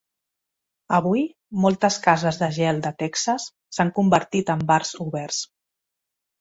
Avui, moltes cases de gel de Texas s'han convertit en bars oberts.